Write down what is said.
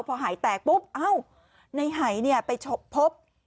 พอหายแตกปุ๊บในหายไปชบพบ